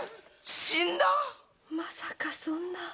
まさかそんなぁ。